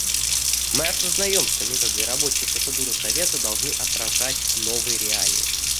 Мы осознаем, что методы и рабочие процедуры Совета должны отражать новые реалии.